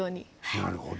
なるほど。